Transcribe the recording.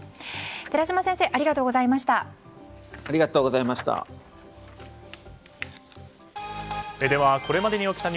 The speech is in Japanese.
寺嶋先生ありがとうございました。